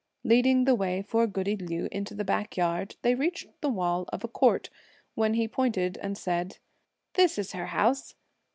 Leading the way for goody Liu into the backyard, they reached the wall of a court, when he pointed and said, "This is her house.